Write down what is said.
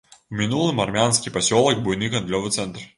У мінулым армянскі пасёлак, буйны гандлёвы цэнтр.